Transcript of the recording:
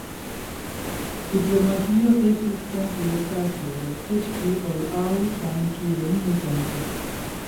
Diplomatio estis kompleksa afero, eĉ pli ol aŭ same kiel nuntempe.